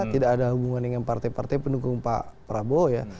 tidak ada hubungan dengan partai partai pendukung pak prabowo ya